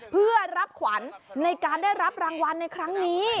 เพื่อรับขวัญในการได้รับรางวัลในครั้งนี้